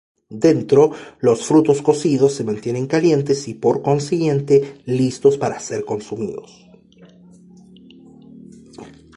Dentro, los frutos cocidos se mantienen calientes, y por consiguiente, listos para ser consumidos.